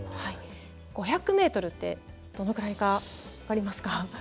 ５００ｍってどのぐらいか分かりますか？